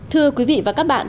thưa quý vị và các bạn